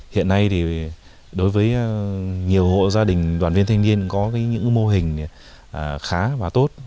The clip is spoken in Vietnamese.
hiện nay thì đối với nhiều hộ gia đình đoàn viên thanh niên có những mô hình khá và tốt